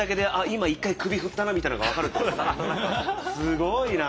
今一回首振ったなみたいなのが分かるってことですね。